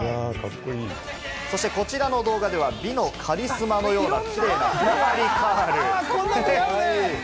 そしてこちらの動画では、美のカリスマのようなキレイなふんわりカール。